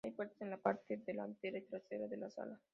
Hay puertas en la parte delantera y trasera de la sala.